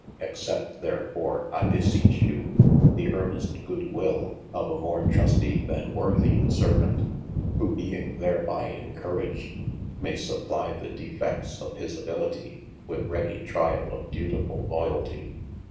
Accept therefore I beseche you, the earnest good will of a more trustie (than worthy) servaunt, who being thereby encouraged, may supplie the defedts of his abilitie with readie triall of duetifull loyaltie.